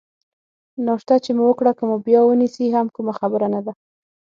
ناشته چې مو وکړه، که مو بیا ونیسي هم کومه خبره نه ده.